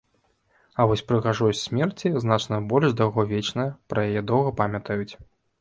А вось прыгажосць смерці значна больш даўгавечная, пра яе доўга памятаюць.